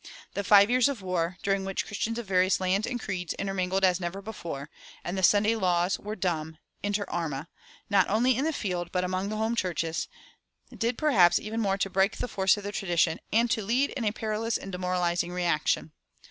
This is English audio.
[372:1] The five years of war, during which Christians of various lands and creeds intermingled as never before, and the Sunday laws were dumb "inter arma" not only in the field but among the home churches, did perhaps even more to break the force of the tradition, and to lead in a perilous and demoralizing reaction.